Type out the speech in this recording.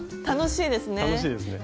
楽しいですね。